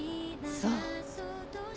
そう。